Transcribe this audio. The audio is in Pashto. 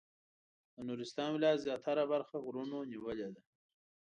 د نورستان ولایت زیاتره برخه غرونو نیولې ده.